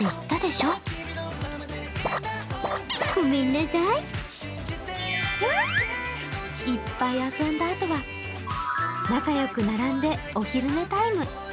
でもいっぱい遊んだあとは仲よく並んでお昼寝タイム。